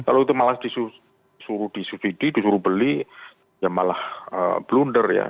kalau itu malah disuruh disubsidi disuruh beli ya malah blunder ya